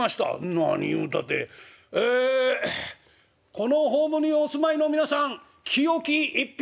「何言うたて『えこのホームにお住まいの皆さん清き一票を。